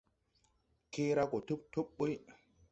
Kee ra go tub tub buy.